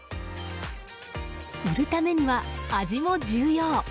売るためには味も重要。